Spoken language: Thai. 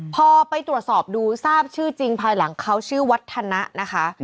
พอไปตรวจสอบดูทราบชื่อจริงภายหลังเขาชื่อวัฒนะนะคะ